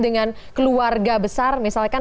dengan keluarga besar misalkan